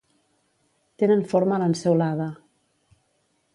Tenen forma lanceolada.